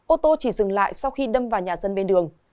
ô tô chỉ dừng lại sau khi đâm vào nhà dân bên đường